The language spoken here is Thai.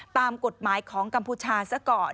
ตามกฎหมายของกัมพูชาซะก่อน